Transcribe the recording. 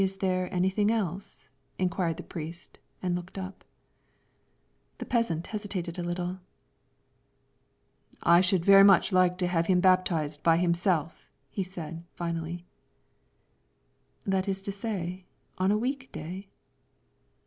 "Is there anything else?" inquired the priest, and looked up. The peasant hesitated a little. "I should like very much to have him baptized by himself," said he, finally. "That is to say, on a week day?"